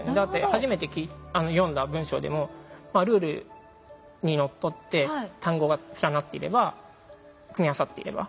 初めて読んだ文章でもルールにのっとって単語が連なっていれば組み合わさっていれば。